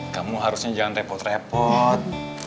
kamu harusnya jangan repot repot